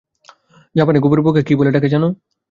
জাপানে গুবরে পোকাকে কী বলে ডাকে জানো?